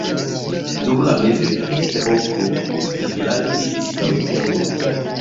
Dum la mezepoko la vilaĝo iĝis kampurbo.